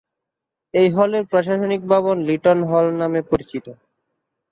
এই হলের প্রশাসনিক ভবন লিটন হল নামে পরিচিত।